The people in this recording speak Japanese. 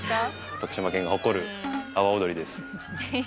徳島県が誇る阿波おどりです。